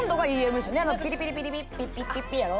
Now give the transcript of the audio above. ピリピリピリピピッピッピッピッやろ？